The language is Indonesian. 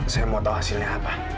saya mau tahu hasilnya apa